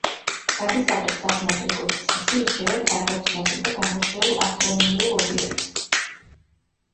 გადასაღებ საგნად როგორც წესი, ირჩევენ კარგად ცნობილ და გამორჩეულ ასტრონომიულ ობიექტს.